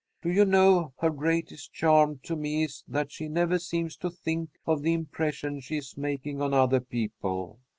Do you know, her greatest charm to me is that she never seems to think of the impression she is making on other people.